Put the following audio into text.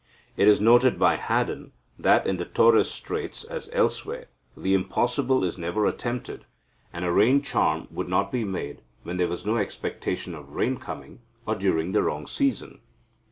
It is noted by Haddon that, in the Torres Straits, as elsewhere, the impossible is never attempted, and a rain charm would not be made when there was no expectation of rain coming, or during the wrong season.